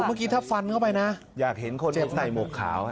เมื่อกี้ถ้าฟันเข้าไปนะอยากเห็นคนใส่หมวกขาว